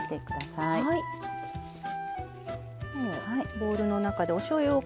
ボウルの中でおしょうゆを。